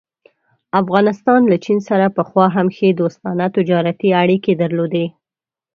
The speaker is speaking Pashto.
افغانستان له چین سره پخوا هم ښې دوستانه تجارتي اړيکې درلودلې.